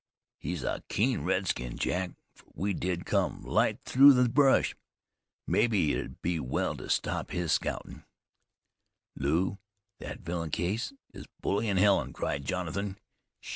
He's a keen redskin, Jack, fer we did come light through the brush. Mebbe it'd be well to stop his scoutin'." "Lew, that villain Case is bullyin' Helen!" cried Jonathan.